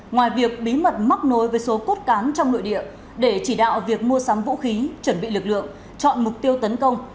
ngoài việc bí mật móc nối với số cốt cán trong nội địa để chỉ đạo việc mua sắm vũ khí chuẩn bị lực lượng chọn mục tiêu tấn công